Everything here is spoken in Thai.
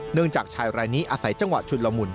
จากชายรายนี้อาศัยจังหวะชุดละมุน